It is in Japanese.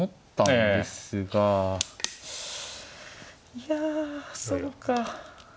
いやそうか。